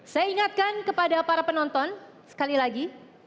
saya ingatkan kepada para penonton sekali lagi